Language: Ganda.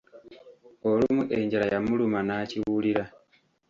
Olumu enjala yamuluma n'akiwulira!